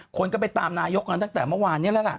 คนก็ไปตามนายกกันตั้งแต่เมื่อวานนี้แล้วล่ะ